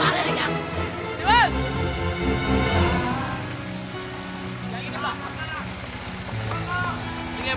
ada lagi orang reverend